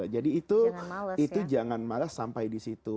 jadi itu jangan males sampai di situ